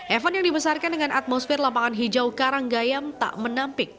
evan yang dibesarkan dengan atmosfer lapangan hijau karanggayam tak menampik